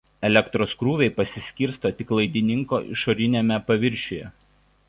Elektros krūviai pasiskirsto tik laidininko išoriniame paviršiuje.